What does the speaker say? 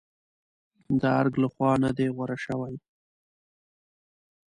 د ارګ لخوا نه دي غوره شوې.